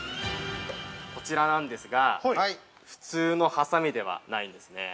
◆こちらなんですが、普通のはさみではないんですね。